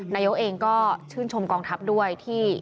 นายกเองก็ชื่นชมกองทัพด้วยที่